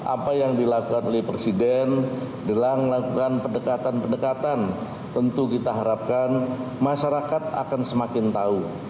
apa yang dilakukan oleh presiden dalam melakukan pendekatan pendekatan tentu kita harapkan masyarakat akan semakin tahu